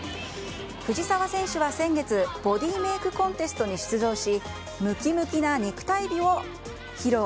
藤澤選手は先月ボディーメイクコンテストに出場しムキムキな肉体美を披露。